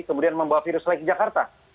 kemudian membawa virus lagi ke jakarta